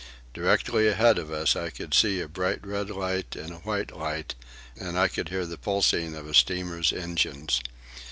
Directly ahead of us I could see a bright red light and a white light, and I could hear the pulsing of a steamer's engines.